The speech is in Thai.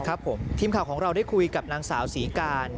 ครับผมทีมข่าวของเราได้คุยกับนางสาวศรีการ